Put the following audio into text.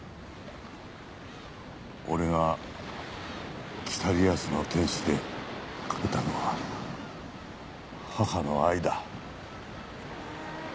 俺が『北リアスの天使』で描けたのは母の愛だ。